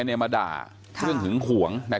เนี่ยมาด่าเพราะว่าถึงหวง